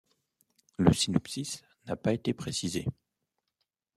Le synopsis n'a pas été précisé.